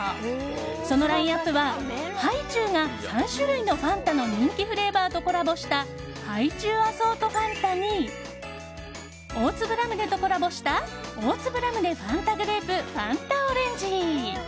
そのラインアップはハイチュウが３種類のファンタの人気フレーバーとコラボしたハイチュウアソートファンタに大粒ラムネとコラボした大粒ラムネファンタグレープファンタオレンジ。